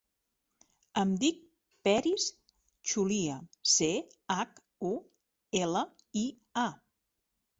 Em dic Peris Chulia: ce, hac, u, ela, i, a.